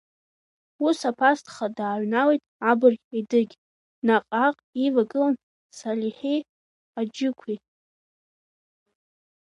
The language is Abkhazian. Ус аԥацха дааҩналеит абырг Едыгь, наҟ-ааҟ ивагылан Салиҳи Аџьықәи.